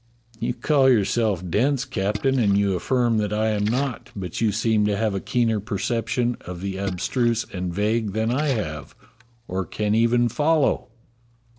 "You call yourself dense. Captain, and you aflSrm that I am not; but you seem to have a keener perception of the abstruse and vague than I have, or can even follow."